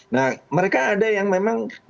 nah mereka ada yang memang